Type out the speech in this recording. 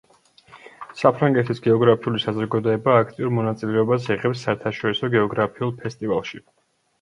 საფრანგეთის გეოგრაფიული საზოგადოება აქტიურ მონაწილეობას იღებს საერთაშორისო გეოგრაფიულ ფესტივალში.